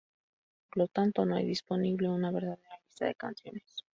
Por lo tanto, no hay disponible una verdadera lista de canciones.